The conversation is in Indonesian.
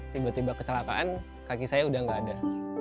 tiba tiba keselakaan kaki saya udah nggak ada